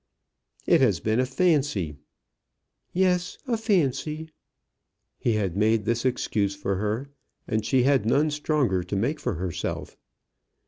"It has been a fancy." "Yes; a fancy." He had made this excuse for her, and she had none stronger to make for herself.